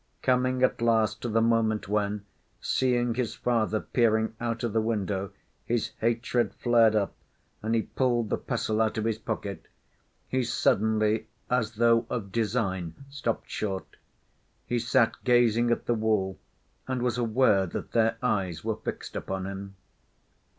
Coming at last to the moment when, seeing his father peering out of the window, his hatred flared up and he pulled the pestle out of his pocket, he suddenly, as though of design, stopped short. He sat gazing at the wall and was aware that their eyes were fixed upon him.